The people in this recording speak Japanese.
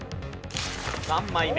３枚目。